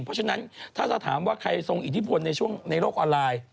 เพราะฉะนั้นถ้าจะถามว่าใครทรงอิทธิพลในโรคอลลาย